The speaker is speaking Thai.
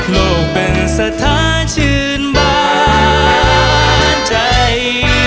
ลูกเป็นสถานชื่นบานใจ